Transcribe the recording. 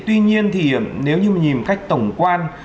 tuy nhiên thì nếu như nhìn cách tổng quan